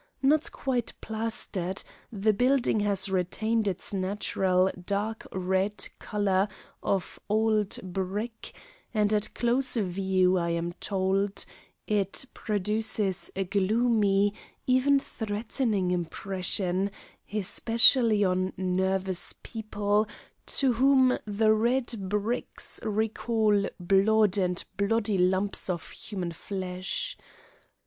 Not being plastered, the building has retained its natural dark red colour of old brick, and at close view, I am told, it produces a gloomy, even threatening, impression, especially on nervous people, to whom the red bricks recall blood and bloody lumps of human flesh.